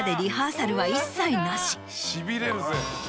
しびれるぜ。